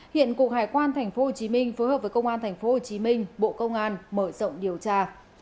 hiện cục hải quan tp hcm phối hợp với công an tp hcm bộ công an mở rộng điều tra